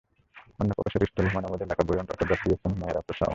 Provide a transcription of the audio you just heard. অন্যপ্রকাশের স্টলে হুমায়ূন আহমেদের লেখা বইয়ে অটোগ্রাফ দিয়েছেন মেহের আফরোজ শাওন।